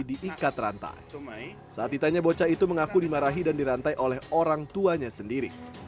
diikat rantai saat ditanya bocah itu mengaku dimarahi dan dirantai oleh orang tuanya sendiri